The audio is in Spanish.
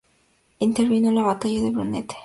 Intervino en la batalla de Brunete.